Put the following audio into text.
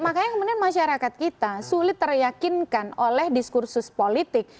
makanya kemudian masyarakat kita sulit teryakinkan oleh diskursus politik